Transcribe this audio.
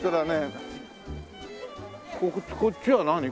こっちは何？